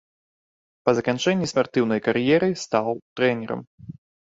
Па заканчэнні спартыўнай кар'еры стаў трэнерам.